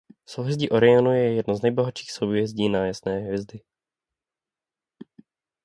Souhvězdí Orionu je jedno z nejbohatších souhvězdí na jasné hvězdy.